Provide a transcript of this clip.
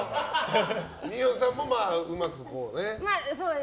二葉さんも、うまくこうね。